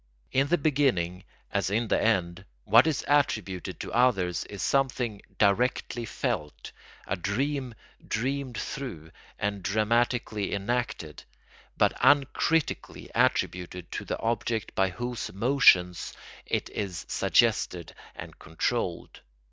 In the beginning, as in the end, what is attributed to others is something directly felt, a dream dreamed through and dramatically enacted, but uncritically attributed to the object by whose motions it is suggested and controlled.